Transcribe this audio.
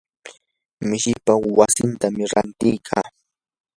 mishipaa wasitam ranti kaa.